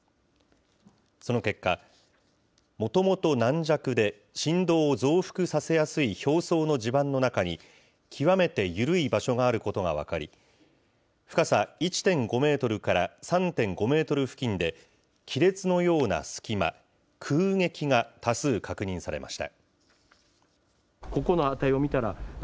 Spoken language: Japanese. その結果、もともと軟弱で、振動を増幅させやすい表層の地盤の中に、極めて緩い場所があることが分かり、深さ１．５メートルから３．５メートル付近で、亀裂のような隙間、空隙が多数確認されました。